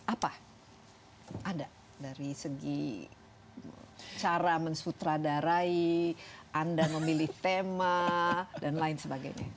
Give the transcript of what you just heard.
apa ada dari segi cara mensutradarai anda memilih tema dan lain sebagainya